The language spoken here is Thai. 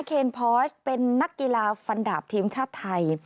เคนพอสเป็นนักกีฬาฟันดาบทีมชาติไทย